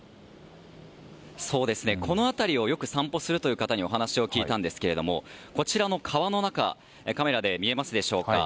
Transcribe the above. この辺りをよく散歩するという方にお話を聞いたんですけれどもこちらの川の中カメラで見えますでしょうか。